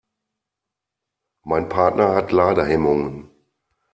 Mein Partner hat Ladehemmungen.